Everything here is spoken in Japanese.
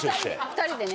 ２人でね。